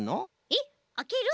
えっあける？